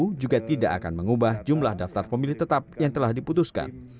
kpu juga tidak akan mengubah jumlah daftar pemilih tetap yang telah diputuskan